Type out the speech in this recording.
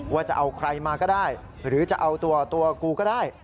ว่าจะเอาใครมาก็ได้หรือจะเอาตัวกูก็ได้